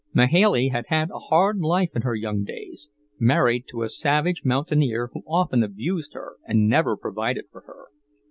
Mahailey had had a hard life in her young days, married to a savage mountaineer who often abused her and never provided for her.